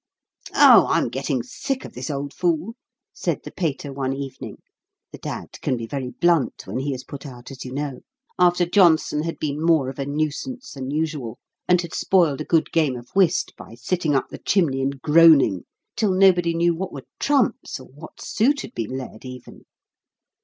"Oh, I'm getting sick of this old fool," said the Pater, one evening (the Dad can be very blunt, when he is put out, as you know), after Johnson had been more of a nuisance than usual, and had spoiled a good game of whist, by sitting up the chimney and groaning, till nobody knew what were trumps or what suit had been led, even.